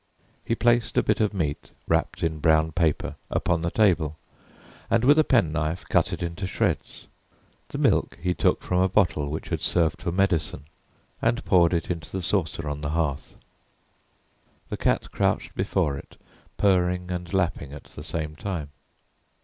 He placed a bit of meat, wrapped in brown paper, upon the table, and with a penknife cut it into shreds. The milk he took from a bottle which had served for medicine, and poured it into the saucer on the hearth. The cat crouched before it, purring and lapping at the same time.